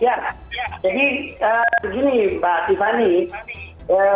jadi begini pak tiffany